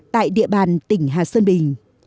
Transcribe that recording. tại địa bàn tỉnh hà sơn bình